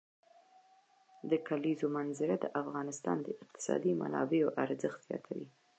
د کلیزو منظره د افغانستان د اقتصادي منابعو ارزښت زیاتوي.